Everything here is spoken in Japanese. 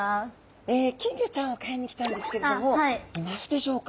金魚ちゃんを買いに来たんですけれどもいますでしょうか。